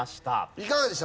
いかがでした？